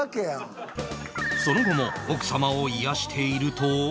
その後も奥様を癒やしていると